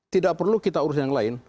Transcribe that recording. tidak perlu kita urus yang lain